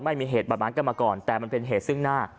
ไม่มีเหตุบาดม้างกันมาก่อนแต่มันเป็นเหตุซึ่งหน้า